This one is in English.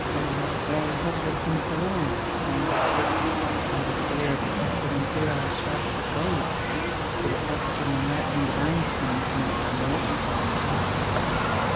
Old, grey, helpless, and forlorn, the banks look under the glare of the truculent, virile shafts of gold that are fostering and ripening the vine screens minute by minute.